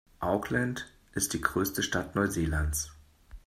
Auckland ist die größte Stadt Neuseelands.